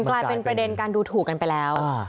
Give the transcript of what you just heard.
กลายเป็นประเด็นการดูถูกกันไปแล้ว